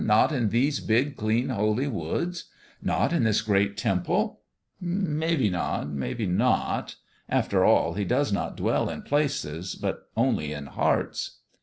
" Not in these big, clean, holy woods ? Not in this great temple ? Maybe not maybe not. After all, He does not dwell in places, but only in hearts."